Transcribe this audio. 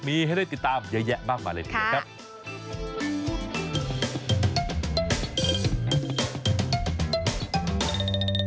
มีให้ได้ติดตามเยอะแยะมากกว่าเลยนะครับ